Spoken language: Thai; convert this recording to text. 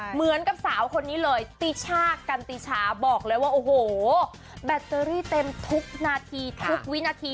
เหมือนกับสาวคนนี้เลยติชากันติชาบอกเลยว่าโอ้โหแบตเตอรี่เต็มทุกนาทีทุกวินาที